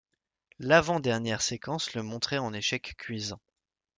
L'avant-dernière séquence le montrait en échec cuisant.